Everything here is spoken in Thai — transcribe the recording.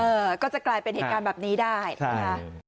เออก็จะกลายเป็นเหตุการณ์แบบนี้ได้นะคะ